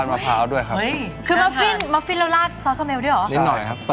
ส่วนเมนูในเบรคต่อไปเราจะทำเป็นซอสคาราเมล